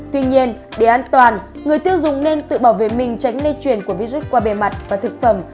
tuy nhiên để an toàn người tiêu dùng nên tự bảo vệ mình tránh lây chuyển của virus qua bề mặt và thực phẩm